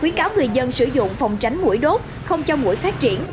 khuyến cáo người dân sử dụng phòng tránh mũi đốt không cho mũi phát triển